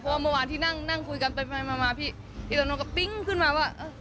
เพราะว่าเมื่อวานที่นั่งคุยกันพี่โตโน่ก็ปิ๊งขึ้นมาว่า